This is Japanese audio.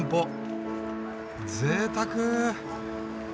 ぜいたく。